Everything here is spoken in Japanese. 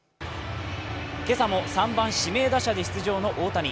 今朝も３番・指名打者で出場の大谷。